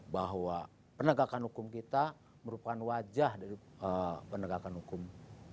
bahwa penegakan hukum kita merupakan wajah dari penegakan hukum